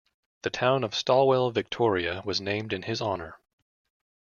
The town of Stawell, Victoria was named in his honour.